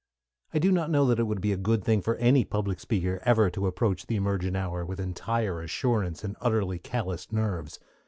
I do not know that it would be a good thing for any public speaker ever to approach the emergent hour with entire assurance and utterly calloused nerves.